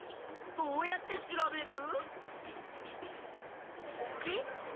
どうやって調べる？